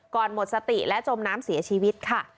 หมดสติและจมน้ำเสียชีวิตค่ะ